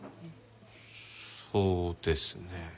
そうですね。